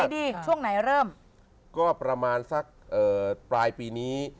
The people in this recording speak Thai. ช่วงไหนดีช่วงไหนเริ่มก็ประมาณสักปลายปีนี้